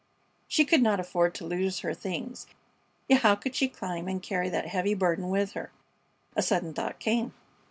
She could not afford to lose her things. Yet how could she climb and carry that heavy burden with her? A sudden thought came.